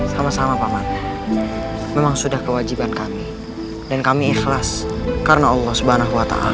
sama sama paman memang sudah kewajiban kami dan kami ikhlas karena allah swt